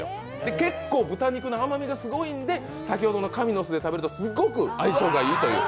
結構豚肉の甘みがすごいんで先ほどの神の酢で食べるとすごく相性がいいという。